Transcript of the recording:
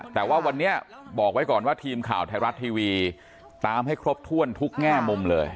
แต่ว่าวันนี้บอกไว้ก่อนว่าทีมข่าวไทยรัฐทีวีตามให้ครบถ้วนทุกแง่มุมเลย